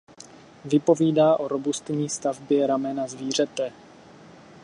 Vypovídá o robustní stavbě ramena zvířete.